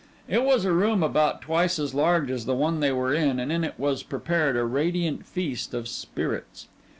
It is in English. It was a room about twice as large as the one they were in and in it was prepared a radiant feast of spirits.